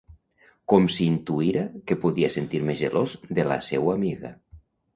Com si intuïra que podia sentir-me gelós de la seua amiga.